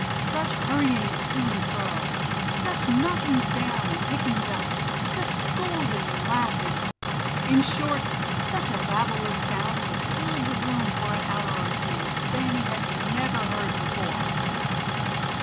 Such hurryings to and fro, such knockings down and pickings up, such scolding and laughing, in short such a Babel of sounds as filled the room for an hour or two, Fanny had never heard before.